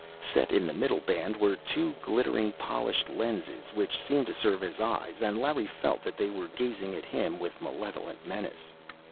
Set in the middle band were two glittering, polished lenses, which seemed to serve as eyes, and Larry felt that they were gazing at him with malevolent menace.